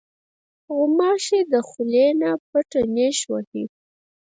غوماشې د خولې نه پټه نیش وهي.